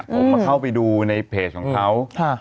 ผมมาเข้าไปดูในเพจของเขา